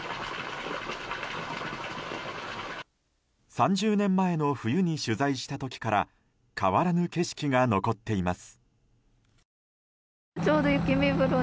３０年前の冬に取材した時から変わらぬ景色が残っています。